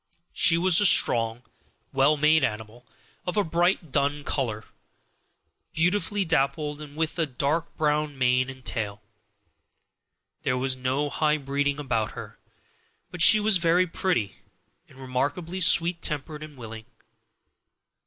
She was a strong, well made animal, of a bright dun color, beautifully dappled, and with a dark brown mane and tail. There was no high breeding about her, but she was very pretty and remarkably sweet tempered and willing.